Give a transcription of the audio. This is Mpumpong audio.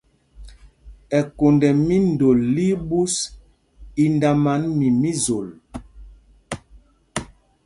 Ɛkond ɛ́ míndol lí í ɓūs, í ndáman mi mí Zol.